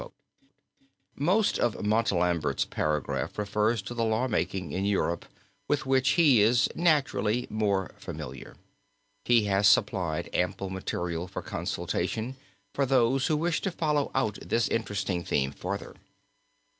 Most of Montalembert's paragraph refers to the law making in France with which he is naturally more familiar. He has supplied ample material for consultation for those who wish to follow out this interesting theme further.